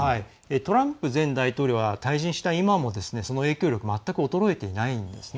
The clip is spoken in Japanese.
トランプ前大統領は退陣した今もですね、その影響全く衰えていないんですね。